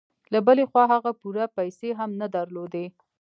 له بلې خوا هغه پوره پيسې هم نه درلودې.